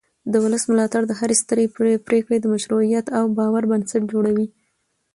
د ولس ملاتړ د هرې سترې پرېکړې د مشروعیت او باور بنسټ جوړوي